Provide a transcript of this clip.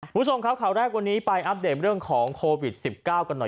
คุณผู้ชมครับข่าวแรกวันนี้ไปอัปเดตเรื่องของโควิด๑๙กันหน่อย